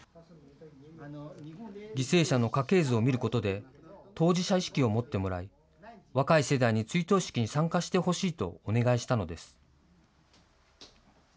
犠牲者の家系図を見ることで、当事者意識を持ってもらい、若い世代に追悼式に参加してほしいとお願いしたのです。